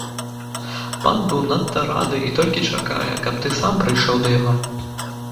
Пан быў надта рады і толькі чакае, каб ты сам прыйшоў да яго.